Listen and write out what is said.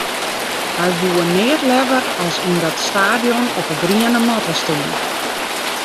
Hy woe neat leaver as yn dat stadion op 'e griene matte stean.